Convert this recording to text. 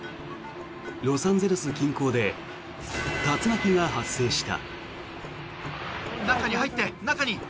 ロサンゼルス近郊で竜巻が発生した。